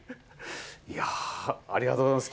ありがとうございます。